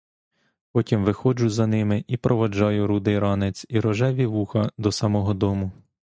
Потім виходжу за ними і проводжаю рудий ранець і рожеві вуха до самого дому.